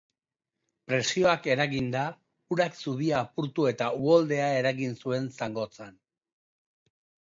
Presioak eraginda, urak zubia apurtu eta uholdea eragin zuen Zangozan.